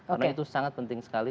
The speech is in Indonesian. karena itu sangat penting sekali